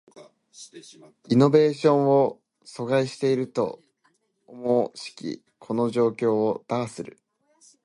イノベーションを阻害していると思しきこの状況を打破する